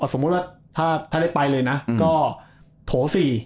สมมุติว่าถ้าได้ไปเลยนะก็โถ๔